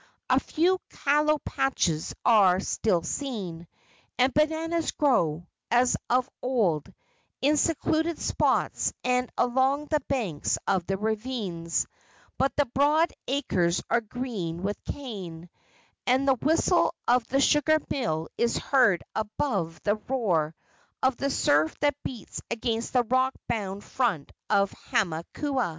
A few kalo patches are still seen, and bananas grow, as of old, in secluded spots and along the banks of the ravines; but the broad acres are green with cane, and the whistle of the sugar mill is heard above the roar of the surf that beats against the rock bound front of Hamakua.